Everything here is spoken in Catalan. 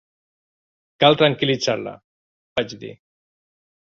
"Cal tranquil·litzar-la", vaig dir.